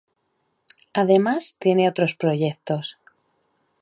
Además, tiene otros proyectos.